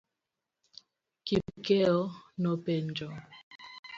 Kipokeo nopenjo.